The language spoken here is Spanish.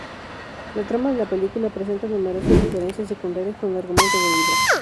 La trama de la película presenta numerosas diferencias secundarias con el argumento del libro.